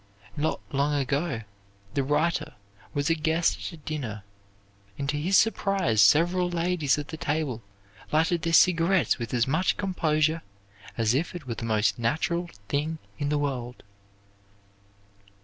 Not long ago the writer was a guest at a dinner and to his surprise several ladies at the table lighted their cigarettes with as much composure as if it were the most natural thing in the world.